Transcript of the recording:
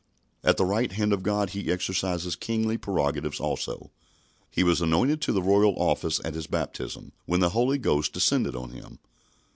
At the right hand of God He exercises kingly prerogatives also. He was anointed to the royal office at His baptism, when the Holy Ghost descended on Him.